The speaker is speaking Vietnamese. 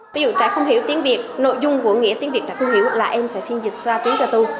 ví dụ tại không hiểu tiếng việt nội dung của nghĩa tiếng việt đã không hiểu là em sẽ phiên dịch ra tiếng cơ tu